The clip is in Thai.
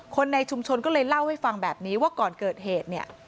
คนในชุมชนก็เลยเล่าให้ฟังแบบนี้ว่าก่อนเกิดเหตุเนี่ย